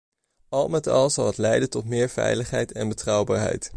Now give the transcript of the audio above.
Al met al zal het leiden tot meer veiligheid en betrouwbaarheid.